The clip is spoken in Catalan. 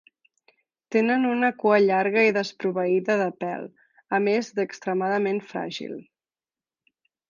Tenen una cua llarga i desproveïda de pèl, a més d'extremadament fràgil.